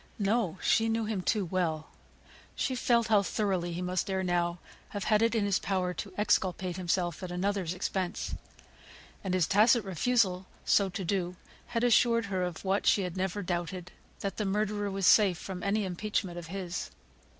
No! she knew him too well. She felt how thoroughly he must ere now have had it in his power to exculpate himself at another's expense. And his tacit refusal so to do had assured her of what she had never doubted, that the murderer was safe from any impeachment of his.